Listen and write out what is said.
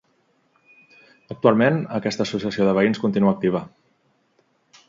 Actualment aquesta associació de veïns continua activa.